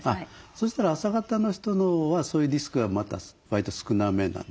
そしたら朝型の人のほうはそういうリスクはわりと少なめなんですよ。